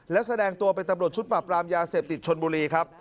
และแสดงตัวเป็นตำรวจชุดปรับปรามยาเสพติดชนบุรีครับ